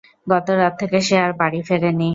গত রাত থেকে সে আর বাড়ি ফেরেনি।